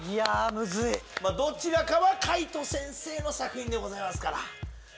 どちらかは海人先生の作品でございます。